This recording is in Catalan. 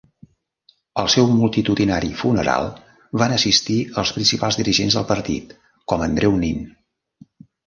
Al seu multitudinari funeral van assistir els principals dirigents del partit, com Andreu Nin.